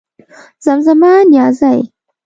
زمزمه نيازۍ